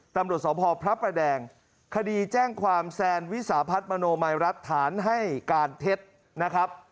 ตำรวจสพพระประแดงคดีแจ้งความแซนวิสาพัฒน์มโนมัยรัฐฐานให้การเท็จนะครับ